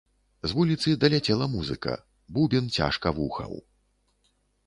З вуліцы даляцела музыка, бубен цяжка вухаў.